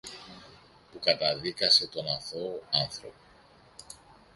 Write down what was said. που καταδίκασε τον αθώο άνθρωπο.